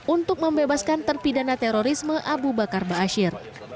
untuk membebaskan terpidana terorisme abu bakar ba'asyir